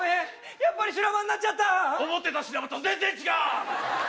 やっぱり修羅場になっちゃった思ってた修羅場と全然違う！